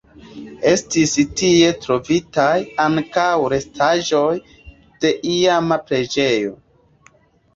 Estis tie trovitaj ankaŭ restaĵoj de iama preĝejo.